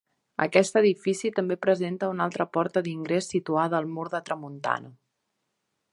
Aquest edifici també presenta una altra porta d'ingrés situada al mur de tramuntana.